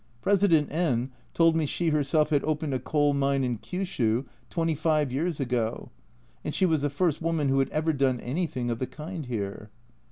President N told me she herself had opened a coal mine in Kyshyu twenty five years ago, and she was the first woman who had ever done anything of the kind here.